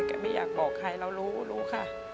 ไม่อยากบอกใครเรารู้รู้ค่ะ